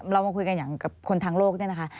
เรามาคุยกันอย่างกับคนทางโลกเนี่ยนะคะ